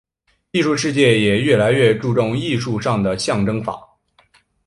艺术世界也越来越注重艺术上的象征法。